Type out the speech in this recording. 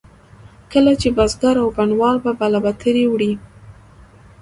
کله چې بزګر او بڼوال به بلابترې وړې.